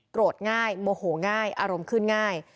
ง่ายโมโหง่ายอารมณ์ขึ้นง่าย